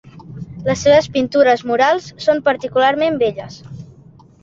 Les seves pintures murals són particularment belles.